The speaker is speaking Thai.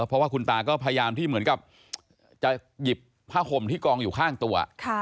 เพราะว่าคุณตาก็พยายามที่เหมือนกับจะหยิบผ้าห่มที่กองอยู่ข้างตัว